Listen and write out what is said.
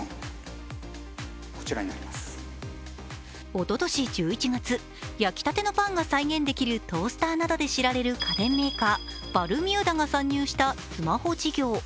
おととし１１月、焼きたてのパンが再現できるトースターなどで知られる家電メーカー・バルミューダが参入したスマホ事業。